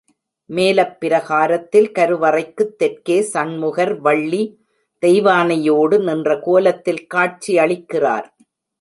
மேலப் பிரகாரத்தில் கருவறைக்குத் தெற்கே சண்முகர் வள்ளி தெய்வயானையோடு நின்ற கோலத்தில் காட்சி அளிக்கிறார்.